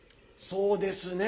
そうですね。